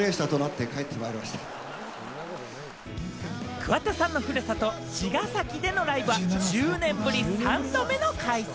桑田さんの故郷、茅ヶ崎でのライブは１０年ぶり、３度目の開催。